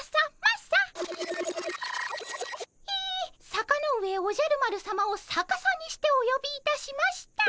「さかのうえおじゃるまるさま」をさかさにしておよびいたしました。